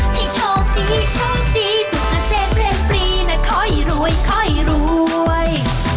ให้โชคดีโชคดีสุขเกษตรเรียนปรีนะค่อยรวยค่อยรวย